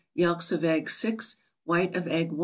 Yelks of eggs. 6 ; White of egg.